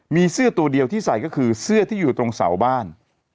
มีเสื้อตัวเดียวที่ใส่ก็คือเสื้อที่อยู่ตรงเสาบ้าน